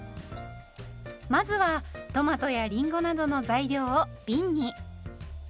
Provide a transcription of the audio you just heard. まずはトマトやりんごなどの材料をびんに。